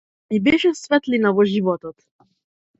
Ми беше светлина во животот.